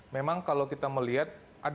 memang kalau kita melihat